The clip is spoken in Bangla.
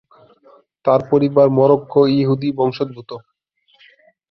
তার পরিবার মরক্কো-ইহুদি বংশোদ্ভূত।